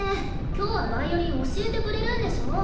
今日はヴァイオリン教えてくれるんでしょ？